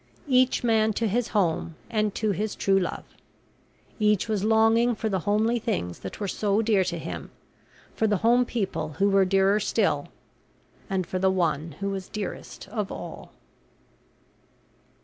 Each man to his home, and to his true love! Each was longing for the homely things that were so dear to him, for the home people who were dearer still, and for the one who was dearest of all.